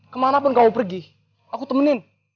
kemana pun kamu pergi aku temenin